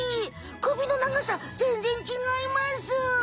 首の長さぜんぜんちがいます。